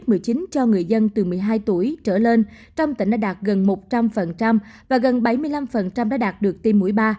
covid một mươi chín cho người dân từ một mươi hai tuổi trở lên trong tỉnh đã đạt gần một trăm linh và gần bảy mươi năm đã đạt được tiêm mũi ba